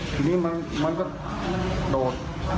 ทีนี้มันดถดดอด